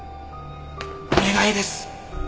お願いです！